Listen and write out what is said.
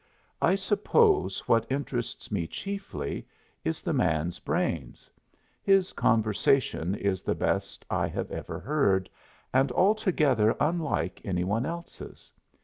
I suppose what interests me chiefly is the man's brains. His conversation is the best I have ever heard and altogether unlike any one else's.